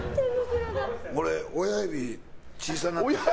俺、親指小さなった。